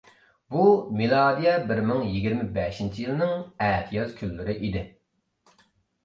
بۇ مىلادىيە بىر مىڭ يىگىرمە بەشىنچى يىلنىڭ ئەتىياز كۈنلىرى ئىدى.